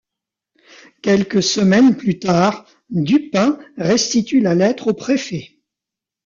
Quelques semaines plus tard, Dupin restitue la lettre au préfet.